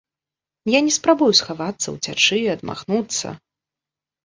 Я не спрабую схавацца, уцячы, адмахнуцца!